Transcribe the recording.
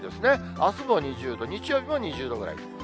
あすも２０度、日曜日も２０度ぐらい。